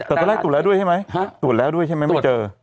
แต่ตอนแรกตรวจแล้วด้วยใช่ไหมตรวจแล้วด้วยใช่ไหมไม่เจอ